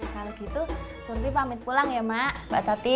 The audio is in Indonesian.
kalau gitu surfi pamit pulang ya mak mbak tati